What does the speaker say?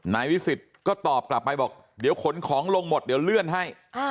นายวิสิทธิ์ก็ตอบกลับไปบอกเดี๋ยวขนของลงหมดเดี๋ยวเลื่อนให้